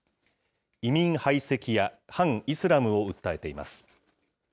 移民排斥や反イスラムを訴えています。